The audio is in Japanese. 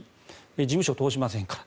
事務所を通しませんから。